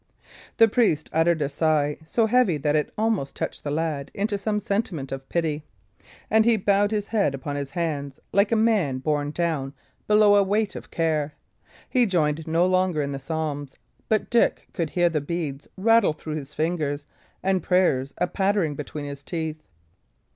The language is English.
The priest uttered a sigh so heavy that it had almost touched the lad into some sentiment of pity, and he bowed his head upon his hands like a man borne down below a weight of care. He joined no longer in the psalms; but Dick could hear the beads rattle through his fingers and the prayers a pattering between his teeth.